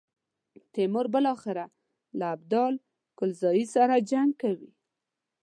تیمور بالاخره له ابدال کلزايي سره جنګ کوي.